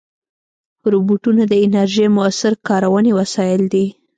روبوټونه د انرژۍ مؤثره کارونې وسایل دي.